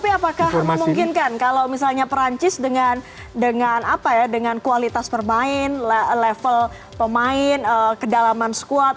tapi apakah memungkinkan kalau misalnya perancis dengan kualitas bermain level pemain kedalaman squad